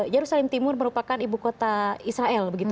yerusalem timur merupakan ibu kota israel begitu